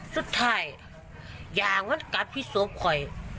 สุดท้ายอย่างวันกัดพี่สวบคอย